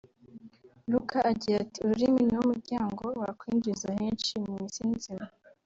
Luca agira ati “Ururimi ni wo muryango wakwinjiza henshi mu isi nzima